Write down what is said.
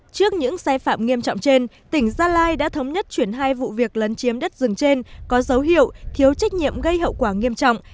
trước những sai phạm nghiêm trọng trên tỉnh gia lai đã thống nhất chuyển hai vụ việc lấn chiếm đất rừng trên có dấu hiệu thiếu trách nhiệm gây hậu quả nghiêm trọng